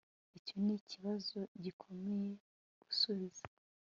Icyo nikibazo gikomeye gusubiza